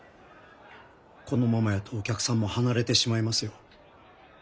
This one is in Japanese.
このままやとお客さんも離れてしまいますよ。